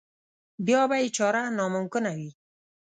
بیا به یې چاره ناممکنه وي.